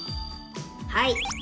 はい。